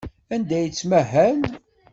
Anda ay yettmahal?